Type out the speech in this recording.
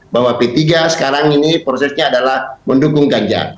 bahwa p tiga sekarang ini prosesnya adalah mendukung ganjar